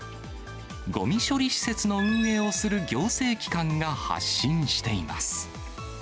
ごみ処理施設の運営をする行政機関が発信しています。